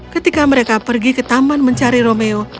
ketika mereka pergi ke taman mencari romeo